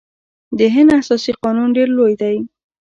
د هند اساسي قانون ډیر لوی دی.